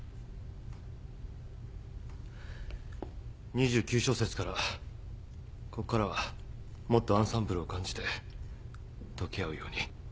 ２９小節からこっからはもっとアンサンブルを感じて溶け合うように。